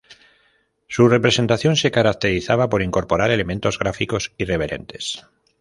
Su presentación se caracterizaba por incorporar elementos gráficos irreverentes.